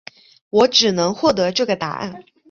我只能获得这个答案